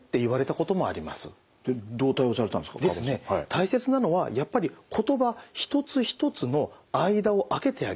大切なのはやっぱり言葉一つ一つの間を空けてあげる。